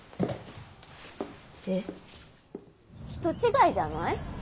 人違いじゃない？